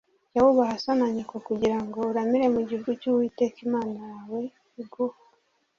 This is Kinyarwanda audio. “jya wubaha so na nyoko kugira ngo uramire mu gihugu cy’Uwiteka Imana yawe iguha”